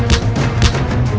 atau tentang kakaknya